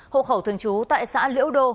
hộ khẩu thường trú tại xã liễu đô